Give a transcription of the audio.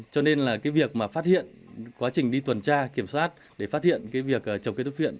cho nên là cái việc mà phát hiện quá trình đi tuần tra kiểm soát để phát hiện cái việc trồng cây thuốc viện